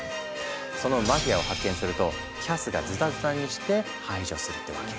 そのマフィアを発見するとキャスがズタズタにして排除するってわけ。